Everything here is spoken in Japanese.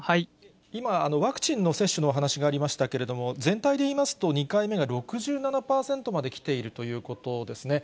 今、ワクチンの接種のお話がありましたけれども、全体でいいますと、２回目が６７％まできているということですね。